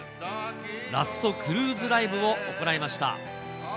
ラストクルーズライブを行いました。